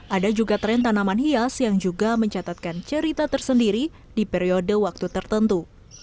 ada juga tren tanaman hias yang juga mencatatkan cerita tersendiri di periode waktu tertentu